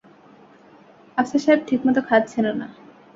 আফসার সাহেব ঠিকমতো খাচ্ছেনও না।